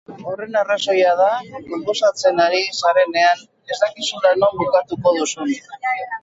Horren arrazoia da konposatzen ari zarenean ez dakizula non bukatuko duzun.